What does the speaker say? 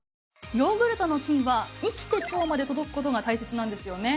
ヨーグルトの菌は生きて腸まで届くことが大切なんですよね。